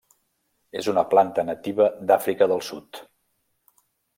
És una planta nativa d'Àfrica del Sud.